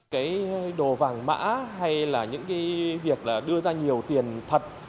cái đồ vàng mã hay là những việc đưa ra nhiều tiền thật